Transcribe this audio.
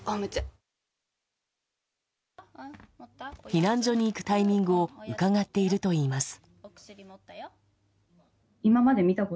避難所に行くタイミングをうかがっているといいます。